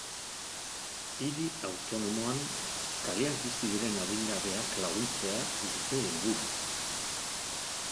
Hiri autonomoan kalean bizi diren adingabeak laguntzea dute helburu.